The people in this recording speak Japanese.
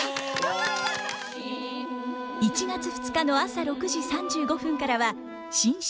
１月２日の朝６時３５分からは新春吟詠。